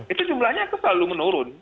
itu jumlahnya selalu menurun